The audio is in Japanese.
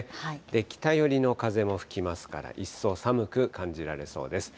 北寄りの風も吹きますから、一層寒く感じられそうです。